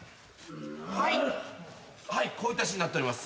はいこういったシーンになっております。